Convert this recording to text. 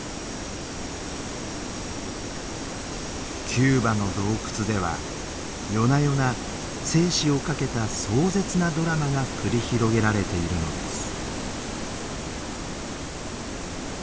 キューバの洞窟では夜な夜な生死を懸けた壮絶なドラマが繰り広げられているのです。